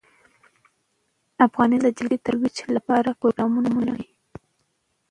افغانستان د جلګه د ترویج لپاره پروګرامونه لري.